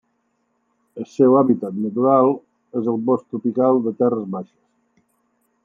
El seu hàbitat natural és el bosc tropical de terres baixes.